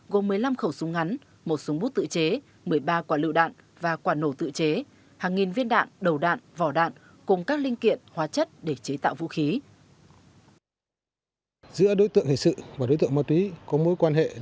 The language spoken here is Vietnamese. gồm một mươi năm khẩu súng ngắn một súng bút tự chế một mươi ba quả lựu đạn và quả nổ tự chế